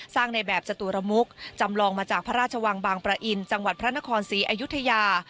ในแบบจตุรมุกจำลองมาจากพระราชวังบางประอินจังหวัดพระนครศรีอยุธยา